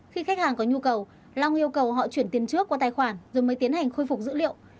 khi khách hàng có nhu cầu long yêu cầu họ chuyển tiền trước qua tài khoản rồi mới tiến hành khôi phục dữ liệu